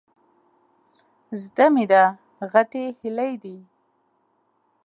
زده مې ده، غټې هيلۍ دي.